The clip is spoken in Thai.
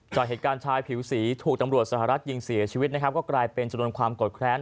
จากเหตุการณ์ชายผิวสีถูกตำรวจสหรัฐยิงเสียชีวิตนะครับก็กลายเป็นจำนวนความกดแค้น